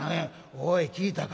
おい聞いたか？